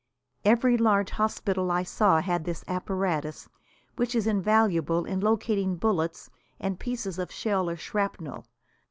Every large hospital I saw had this apparatus, which is invaluable in locating bullets and pieces of shell or shrapnel.